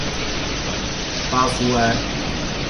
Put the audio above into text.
巴苏埃。